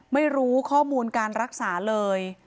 ไม่รู้ข้อมูลการรักษาเลย